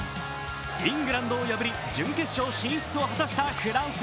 イングランドを破り準決勝進出を果たしたフランス。